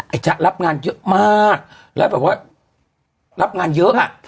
จ๊ะรับงานเยอะมากแล้วแบบว่ารับงานเยอะอ่ะ